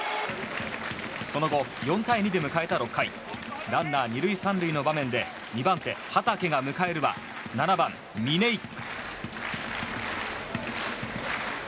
その後４対２で迎えた６回ランナー２塁３塁の場面で２番手、畠が迎えるは７番、嶺井。